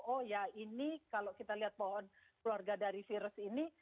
oh ya ini kalau kita lihat pohon keluarga dari virus ini